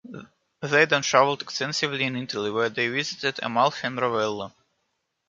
They then traveled extensively in Italy where they visited Amalfi and Ravello.